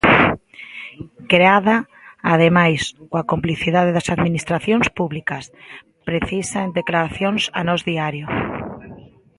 "Creada, ademais, coa complicidade das Administracións públicas", precisa en declaracións a Nós Diario.